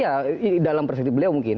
ya dalam perspektif beliau mungkin